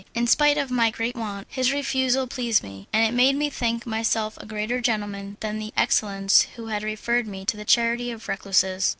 In spite of my great want, his refusal pleased me, as it made me think myself a better gentleman than the "excellence" who had referred me to the charity of recluses.